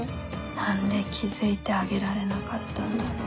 何で気付いてあげられなかったんだろう。